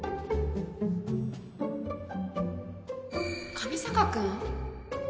上坂君？